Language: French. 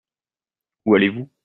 Où allez-vous ?